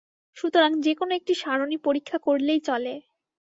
সুতরাং যেকোনো একটি সারণি পরীক্ষা করলেই চলে।